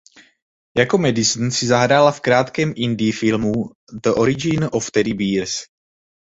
Jako Madison si zahrála v krátkém indie filmu "The Origin of Teddy Bears".